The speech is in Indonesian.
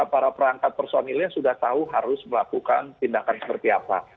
para perangkat personilnya sudah tahu harus melakukan tindakan seperti apa